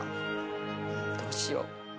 どうしよう。